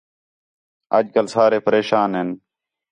اَڄ کل سارے پریشان ھین